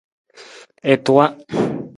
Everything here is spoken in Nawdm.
I tuwa.